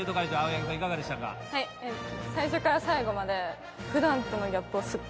最初から最後まで。